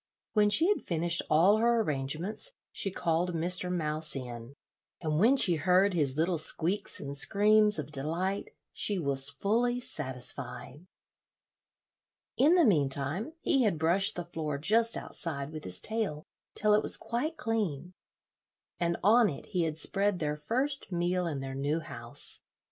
When she had finished all her arrangements she called Mr. Mouse in, and when she heard his little squeaks and screams of delight, she was fully satisfied. In the mean time he had brushed the floor just outside with his tail till it was quite clean, and on it he had spread their first meal in their new house.